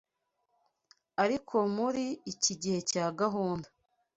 ariko muri iki gihe cya gahunda